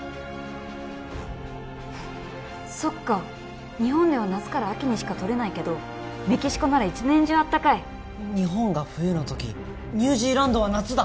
そっか日本では夏から秋にしかとれないけどメキシコなら一年中暖かい日本が冬の時ニュージーランドは夏だ！